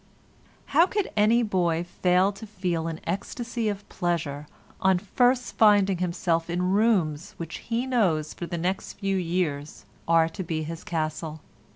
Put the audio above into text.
How can any boy fail to feel an ecstasy of pleasure on first finding himself in rooms which he knows for the next few years are to be his castle?